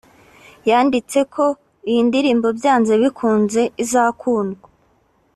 yanditse ko iyi ndirimbo byanze bikunze izakundwa